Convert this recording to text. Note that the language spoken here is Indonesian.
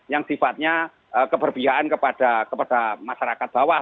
yang sifatnya keberbiaan kepada masyarakat bawah